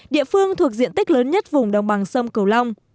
địa phương thuộc diện tích lớn nhất vùng đồng bằng sông cửu long